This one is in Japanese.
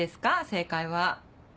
正解は。